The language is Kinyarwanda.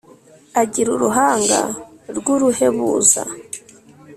Agira uruhanga rw'uruhebuza,